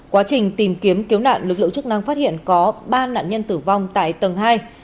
quá trình tìm kiếm cứu nạn lực lượng chức năng phát hiện có ba nạn nhân tử vong tại tầng hai